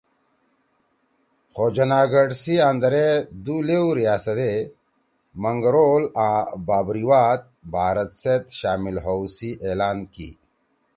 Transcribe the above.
خو جوناگڑھ سی آندرے دو لیؤ ریاست ئے، منگرول آں بابریواد، بھارت سے شامل ہؤ سی اعلان کی